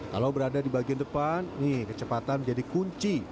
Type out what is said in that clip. kalau berada di bagian depan nih kecepatan menjadi kunci